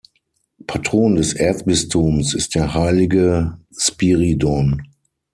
Patron des Erzbistums ist der heilige Spyridon.